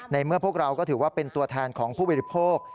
ในเมื่อพวกเราก็ถือว่าเป็นตัวแทนของผู้บริโภค